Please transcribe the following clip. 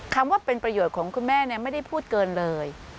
คำว่าเป็นประโยชน์ของคุณแม่ไม่ได้พูดเกินเลย